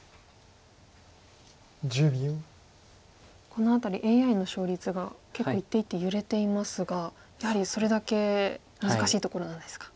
この辺りＡＩの勝率が結構一手一手揺れていますがやはりそれだけ難しいところなんですか。